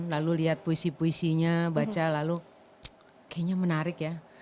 lalu lihat puisi puisinya baca lalu kayaknya menarik ya